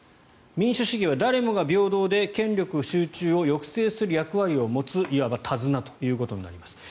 民主主義は誰もが平等で権力集中を抑制する役割を持ついわば手綱ということになります。